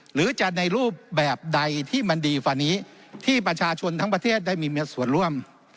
หรือจะในรูปแบบใดที่มันดีกว่านี้ที่ประชาชนทั้งประเทศได้มีส่วนร่วม